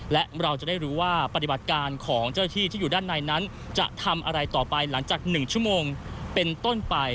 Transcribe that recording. และเราจะได้รู้ว่าปฏิบัติการของเจ้าหน้าที่ที่อยู่ด้านในนั้นจะทำอะไรต่อไปหลังจาก๑ชั่วโมงเป็นต้นไป